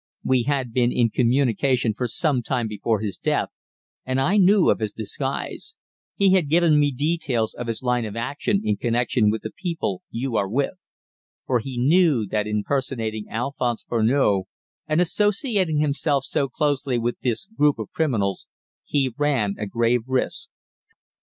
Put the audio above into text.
We had been in communication for some time before his death, and I knew of his disguise; he had given me details of his line of action in connection with the people you are with; for he knew that in impersonating Alphonse Furneaux and associating himself so closely with this group of criminals he ran a grave risk.